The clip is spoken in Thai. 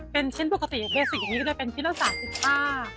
เป็นชิ้นปกติเบสิกอย่างนี้ก็จะเป็นชิ้นละ๓๕